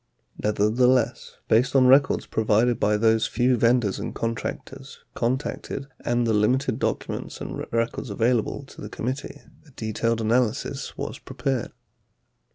43 Nevertheless, based on records provided by those few vendors and contractors contacted and the limited documents and records available to the committee, a detailed analysis was prepared.